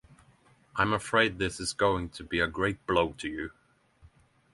I'm afraid this is going to be a great blow to you.